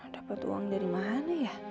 dapat uang dari mana ya